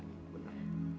benar bu buang buang aja